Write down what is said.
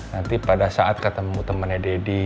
nanti pada saat ketemu temennya didi